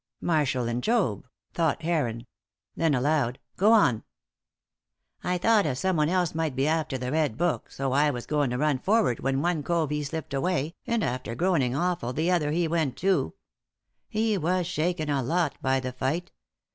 "Marshall and Job," thought Heron; then aloud, "Go on!" "I thought as someone else might be after the red book, so I was going to run forward when one cove he slipped away, and after groaning awful the other he went too. He was shaken a lot by the fight.